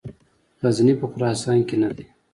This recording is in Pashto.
غزني په خراسان کې نه دی.